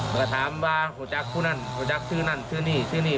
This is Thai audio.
แล้วก็ถามว่าหัวจักรคู่นั่นหัวจักรชื่อนั่นชื่อนี่ชื่อนี่